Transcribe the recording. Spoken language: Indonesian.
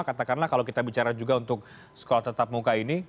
katakanlah kalau kita bicara juga untuk sekolah tetap muka ini